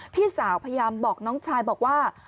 พี่สาวพยายามบอกน้องชายบอกว่า